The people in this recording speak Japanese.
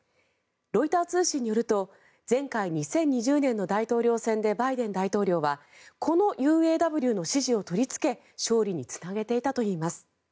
ロイター通信によると前回２０２０年の大統領選でバイデン大統領はこのＵＡＷの支持を取りつけ勝利につなげていたといいます。